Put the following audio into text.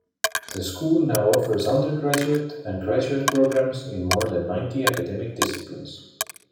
The school now offers undergraduate and graduate programs in more than ninety academic disciplines.